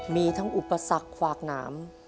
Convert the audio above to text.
มีทั้งอุปสรรคฝากหนาม